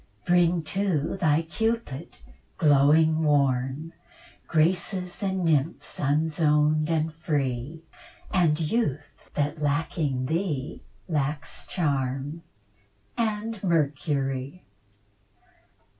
Bring too thy Cupid, glowing warm, Graces and Nymphs, unzoned and free, And Youth, that lacking thee lacks charm, And Mercury.